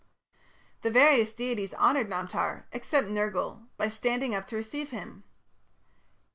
The various deities honoured Namtar, except Nergal, by standing up to receive him.